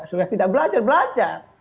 sudah tidak belajar belajar